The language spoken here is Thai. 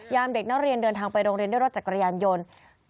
เด็กนักเรียนเดินทางไปโรงเรียนด้วยรถจักรยานยนต์